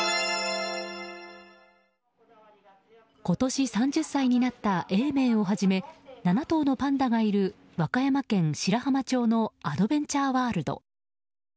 今年３０歳になった永明をはじめ７頭のパンダがいる和歌山県白浜町のアドベンチャーワールド。